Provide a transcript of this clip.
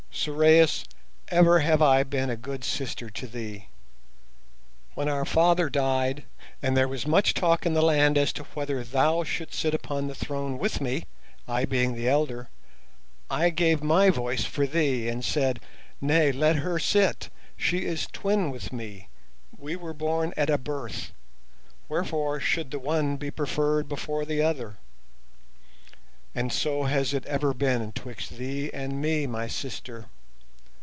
"Sorais, ever have I been a good sister to thee. When our father died, and there was much talk in the land as to whether thou shouldst sit upon the throne with me, I being the elder, I gave my voice for thee and said, 'Nay, let her sit. She is twin with me; we were born at a birth; wherefore should the one be preferred before the other?' And so has it ever been "twixt thee and me, my sister.